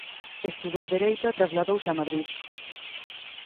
Estudou Dereito e trasladouse a Madrid.